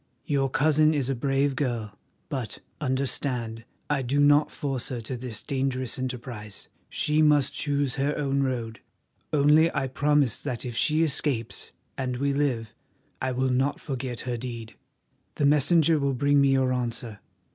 Your cousin is a brave girl, but, understand, I do not force her to this dangerous enterprise. She must choose her own road, only I promise that if she escapes and we live I will not forget her deed. The messenger will bring me your answer.